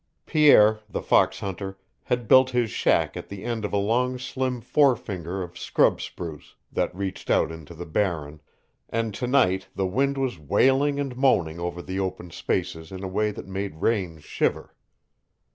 Pierre, the fox hunter, had built his shack at the end of a long slim forefinger of scrub spruce that reached out into the Barren, and to night the wind was wailing and moaning over the open spaces in a way that made Raine shiver.